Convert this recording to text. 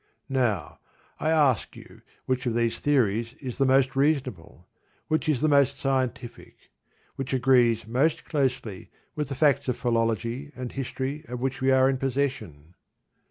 Now, I ask you which of these theories is the most reasonable; which is the most scientific; which agrees most closely with the facts of philology and history of which we are in possession?